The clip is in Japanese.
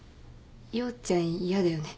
陽ちゃん嫌だよね？